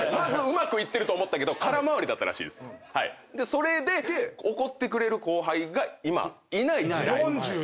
それで怒ってくれる後輩が今いない時代。